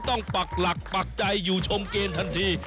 ปักหลักปักใจอยู่ชมเกมทันที